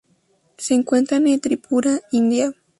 Se encuentra en Tripura, India.